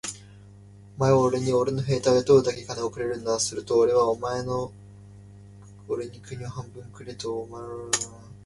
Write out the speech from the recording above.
お前はおれにおれの兵隊を養うだけ金をくれるんだ。するとおれはお前におれの国を半分と、お前の金を番するのにたるだけの兵隊をやる。